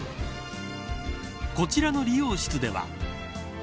こちらの理容室では。